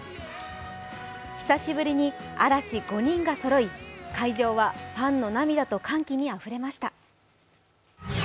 久しぶりに嵐５人がそろい、会場はファンの涙と歓喜にあふれました。